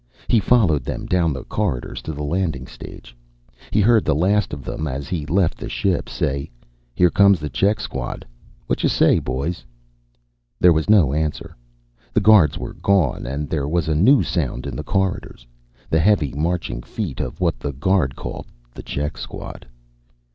He followed them down the corridors to the landing stage. He heard the last of them, as he left the ship, say, "Here comes the check squad. Whatcha say, boys?" There was no answer. The guards were gone, and there was a new sound in the corridors: the heavy marching feet of what the guard called the check squad.